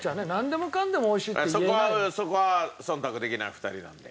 そこは忖度できない２人なんで。